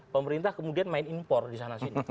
pemerintah kemudian main impor disana sini